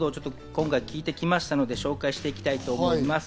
今回、聞いてきましたので紹介していきたいと思います。